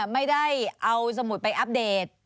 ไม่ได้เอาสมุดไปอัปเดต